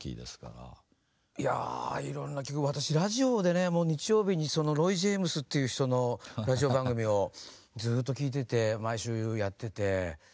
いやいろんな曲私ラジオでねもう日曜日にロイ・ジェームスっていう人のラジオ番組をずっと聴いてて毎週やってて。